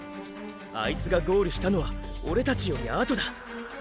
あいつがゴールしたのはオレたちよりあとだ！！